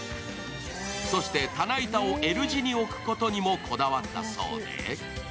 そして棚板をＬ字に置くことにもこだわったそうで。